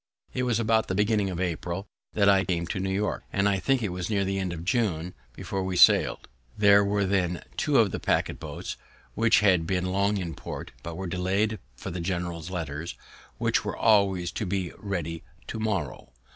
It was about the beginning of April that I came to New York, and I think it was near the end of June before we sail'd. There were then two of the packet boats, which had been long in port, but were detained for the general's letters, which were always to be ready to morrow.